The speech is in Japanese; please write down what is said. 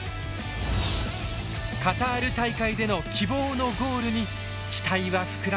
カタール大会での希望のゴールに期待は膨らみます。